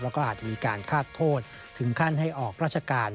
แล้วก็อาจจะมีการคาดโทษถึงขั้นให้ออกราชการ